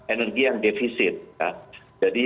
energi yang defisit jadi